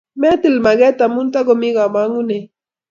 metil maket amu tokomi kamangunet